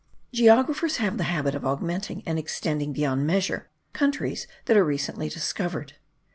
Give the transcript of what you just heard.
Geographers have the habit of augmenting and extending beyond measure countries that are recently discovered.